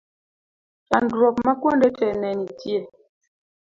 chandruok ma kuonde te ne nitie